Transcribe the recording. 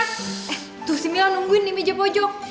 tuh si mila nungguin di meja pojok